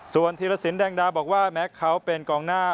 ส่วนธีรสินแดงดาบอกว่าแม้เขาเป็นกองหน้า